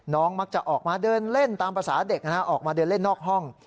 มักจะออกมาเดินเล่นตามภาษาเด็กนะฮะออกมาเดินเล่นนอกห้อง